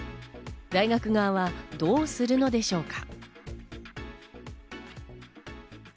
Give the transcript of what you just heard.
大学側はどうするのでしょうか。